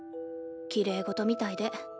きれい事みたいで。